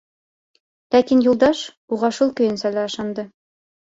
Ләкин Юлдаш уға шул көйөнсә лә ышанды.